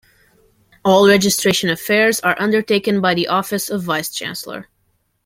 All registration affairs are undertaken by the office of vice-chancellor.